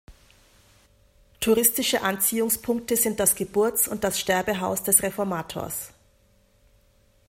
Touristische Anziehungspunkte sind das Geburts- und das Sterbehaus des Reformators.